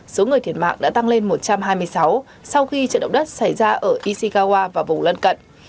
số người thiệt mạng đã tăng lên một trăm hai mươi sáu sau khi trận động đất xảy ra ở ishikawa và vùng lân cận